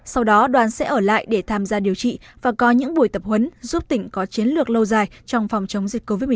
sau đó đoàn sẽ ở lại để tham gia điều trị và có những buổi tập huấn giúp tỉnh có chiến lược lâu dài trong phòng chống dịch covid một mươi